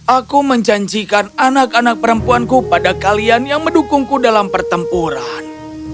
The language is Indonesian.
aku menjanjikan anak anak perempuanku pada kalian yang mendukungku dalam pertempuran